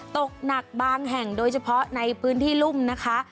ตกหนักบางแห่งโดยเฉพาะในพื้นที่รุ่มนะคะ